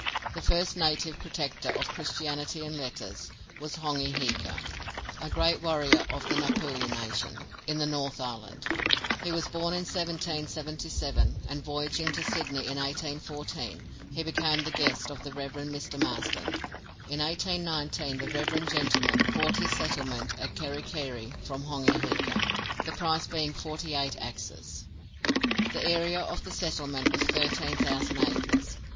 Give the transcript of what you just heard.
The first native protector of Christianity and letters was Hongi Hika, a great warrior of the Ngapuhi nation, in the North Island. He was born in 1777, and voyaging to Sydney in 1814, he became the guest of the Rev. Mr. Marsden. In 1819 the rev. gentleman bought his settlement at Kerikeri from Hongi Hika, the price being forty eight axes. The area of the settlement was thirteen thousand acres.